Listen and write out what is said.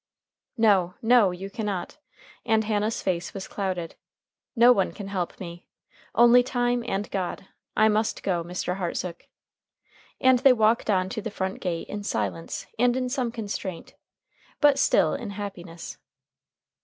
"No, no! you cannot," and Hannah's face was clouded. "No one can help me. Only time and God. I must go, Mr. Hartsook." And they walked on to the front gate in silence and in some constraint. But still in happiness.